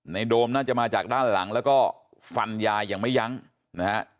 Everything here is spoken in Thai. โดมน่าจะมาจากด้านหลังแล้วก็ฟันยายยังไม่ยั้งนะฮะ